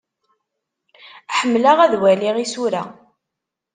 Ḥemmleɣ ad waliɣ isura.